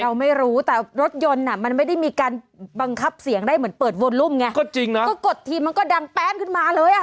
เราไม่รู้แต่รถยนต์อ่ะมันไม่ได้มีการบังคับเสียงได้เหมือนเปิดวนลุ่มไงก็จริงนะก็กดทีมันก็ดังแป๊นขึ้นมาเลยอ่ะ